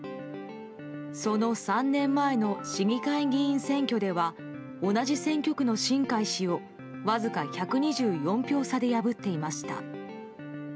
その３年前の市議会議員選挙では同じ選挙区の新開氏をわずか１２４票差で破っていました。